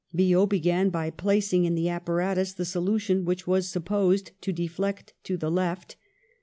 Biot began by placing in the apparatus the solution which was supposed to deflect to the left.